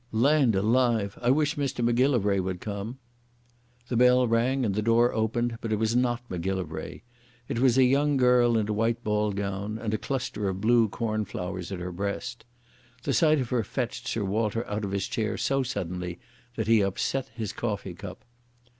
Land alive! I wish Mr Macgillivray would come." The bell rang, and the door opened, but it was not Macgillivray. It was a young girl in a white ball gown, with a cluster of blue cornflowers at her breast. The sight of her fetched Sir Walter out of his chair so suddenly that he upset his coffee cup.